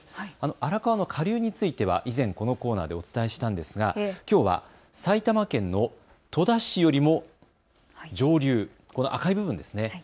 荒川の下流については以前このコーナーでお伝えしたんですがきょうは埼玉県の戸田市よりも上流、この赤い部分ですね。